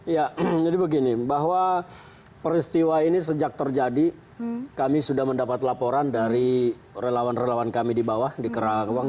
ya jadi begini bahwa peristiwa ini sejak terjadi kami sudah mendapat laporan dari relawan relawan kami di bawah di kerawang